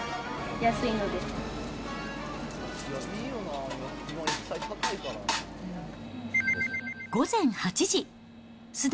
安いので。